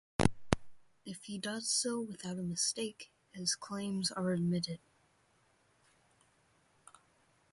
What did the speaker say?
If he does so without a mistake, his claims are admitted.